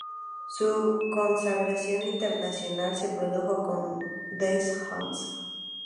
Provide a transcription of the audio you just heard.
Su consagración internacional se produjo con "Des hommes".